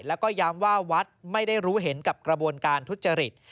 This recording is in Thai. แล้วก็ย้ำว่าวัดไม่ได้รู้เห็นกับกระบวนการทุจริต